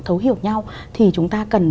thấu hiểu nhau thì chúng ta cần